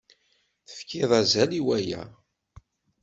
Tefkid azal i waya.